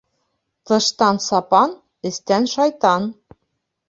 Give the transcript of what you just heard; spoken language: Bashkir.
Тыштан сапан, эстән шайтан.